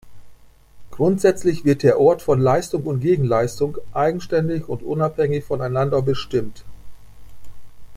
Grundsätzlich wird der Ort von Leistung und Gegenleistung eigenständig und unabhängig voneinander bestimmt.